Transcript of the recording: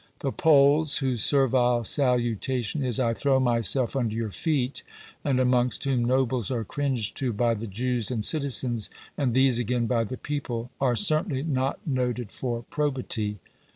The Poles, whose servile salutation is, " I throw myself under your feet," and amongst whom nobles are cringed to by the Jews and citizens, and these again by the people, are certainly not noted for probity.